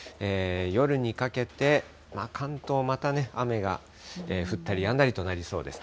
夜にかけて関東、またね、雨が降ったりやんだりとなりそうです。